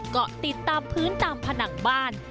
เกาะติดตามพื้นตามผนังบ้าน